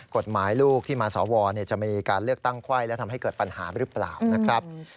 กฎหมายลูกที่มาสวจะมีการเลือกตั้งไข้และทำให้เกิดปัญหาหรือเปล่านะครับ